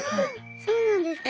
そうなんですか？